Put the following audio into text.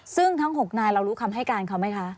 ซึ่งทั้ง๖นายเรารู้คำให้การเขาไหมคะ